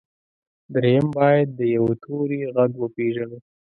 درېيم بايد د يوه توري غږ وپېژنو.